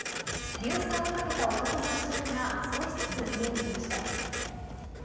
硫酸をかけた男の足取りが少しずつ見えてきました。